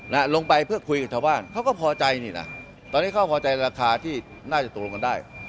ลงไปเพื่อคุยกับชาวบ้านเขาก็พอใจนี่นะตอนนี้เขาพอใจราคาที่น่าจะตกลงกันได้